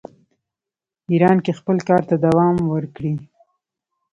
ایران کې خپل کار ته دوام ورکړي.